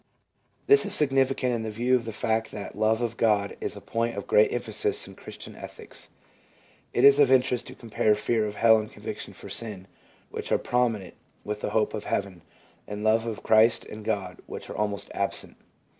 This is significant in view of the fact that love of God is a point of great emphasis in Christian ethics. It is of interest to compare fear of hell and conviction for sin, which are prominent, with hope of heaven and love of Christ and God, which are almost absent.